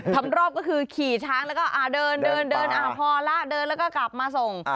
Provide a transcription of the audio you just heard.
ทำรอบก็คือขี่ช้างแล้วก็เดินเดินพอแล้วเดินแล้วก็กลับมาส่ง